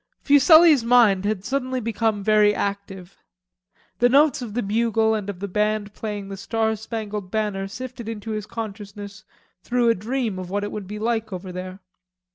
Fuselli's mind had suddenly become very active. The notes of the bugle and of the band playing "The Star Spangled Banner" sifted into his consciousness through a dream of what it would be like over there.